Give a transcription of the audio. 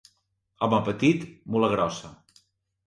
Home petit, mula grossa.